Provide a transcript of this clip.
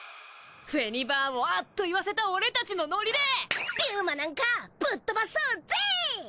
フェニバーンをアッと言わせた俺たちのノリでリュウマなんかぶっとばそうぜぇぇぇえい！